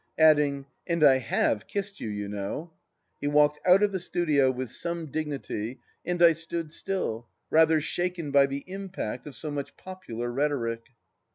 Adding: " And I feace kissed you, you know !" He walked out of the studio with some dignity, and I stood still, rather shaken by the impact of so much popular rhetoric.